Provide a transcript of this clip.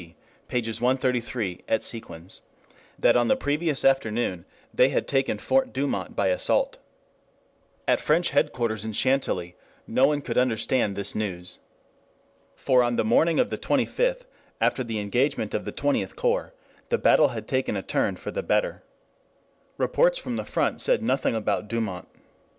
Q. G._, pp. 133 et seq.] that on the previous afternoon they had taken Fort Douaumont by assault. At French headquarters in Chantilly no one could understand this news. For on the morning of the twenty fifth, after the engagement of the XXth corps, the battle had taken a turn for the better. Reports from the front said nothing about Douaumont.